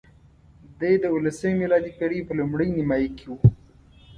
دی د اوولسمې میلادي پېړۍ په لومړۍ نیمایي کې وو.